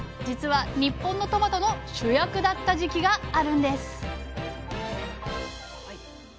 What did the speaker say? じつは日本のトマトの主役だった時期があるんです